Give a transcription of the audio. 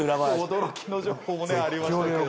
驚きの情報もありましたけれども。